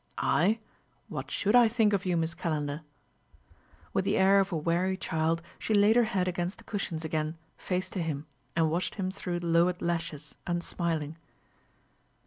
"I? ... What should I think of you, Miss Calendar?" With the air of a weary child she laid her head against the cushions again, face to him, and watched him through lowered lashes, unsmiling.